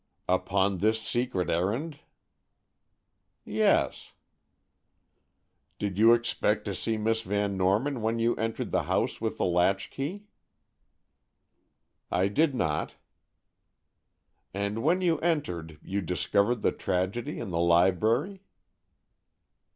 "Upon this secret errand?" "Yes." "Did you expect to see Miss Van Norman when you entered the house with the latch key?" "I did not." "And when you entered you discovered the tragedy in the library?"